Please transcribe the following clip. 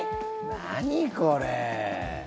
何、これ。